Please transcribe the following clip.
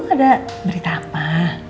ada berita apa